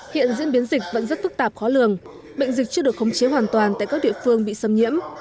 hiện diễn biến dịch vẫn rất phức tạp khó lường bệnh dịch chưa được khống chế hoàn toàn tại các địa phương bị xâm nhiễm